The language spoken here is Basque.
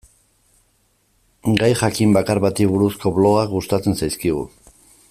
Gai jakin bakar bati buruzko blogak gustatzen zaizkigu.